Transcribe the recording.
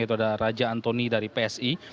yaitu ada raja antoni dari psi